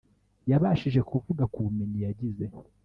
yabashije kuvuga ku bumenyi yagize